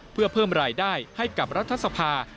เพื่อเพิ่มรายได้ให้กับรัฐสภา